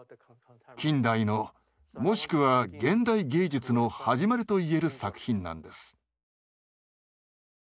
近代のもしくは現代芸術の始まりと言える作品なんです。